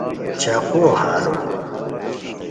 چاقو ہانو